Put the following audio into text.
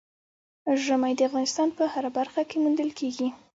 ژمی د افغانستان په هره برخه کې موندل کېږي.